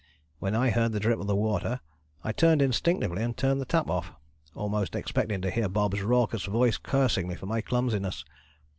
When I heard the drip of the water I turned instinctively and turned the tap off, almost expecting to hear Bobs' raucous voice cursing me for my clumsiness.